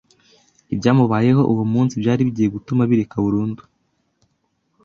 ibyamubayeho uwo munsi byari bigiye gutuma abireka burundu